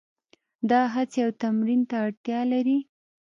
دا هڅې او تمرین ته اړتیا لري.